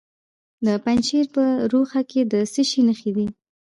د پنجشیر په روخه کې د څه شي نښې دي؟